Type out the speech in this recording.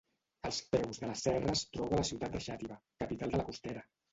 Als peus de la serra es troba la ciutat de Xàtiva, capital de la Costera.